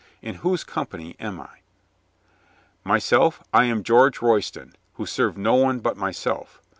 In whose company am I ?" "Myself am George Royston, who serve no one but myself.